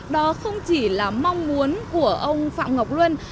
đó không chỉ là mong muốn của ông phạm ngọc luân